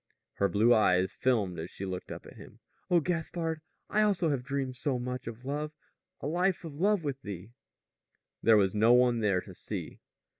Her blue eyes filmed as she looked up at him. "Oh, Gaspard, I also have dreamed so much of love a life of love with thee!" There was no one there to see.